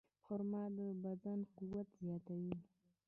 خرما د بدن قوت زیاتوي.